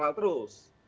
dia lihat terus